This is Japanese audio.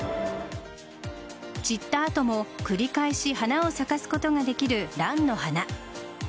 散った後も繰り返し花を咲かすことができるランの花。